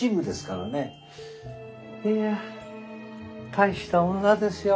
いや大した女ですよ